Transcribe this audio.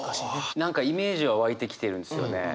何かイメージは湧いてきてるんですよね。